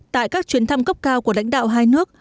tại các chuyến thăm cấp cao của lãnh đạo hai nước